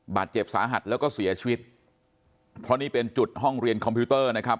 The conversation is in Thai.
บาดเจ็บสาหัสแล้วก็เสียชีวิตเพราะนี่เป็นจุดห้องเรียนคอมพิวเตอร์นะครับ